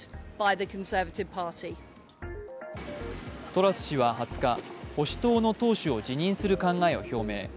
トラス氏は２０日、保守党の党首を辞任する考えを表明。